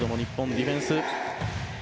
ディフェンス。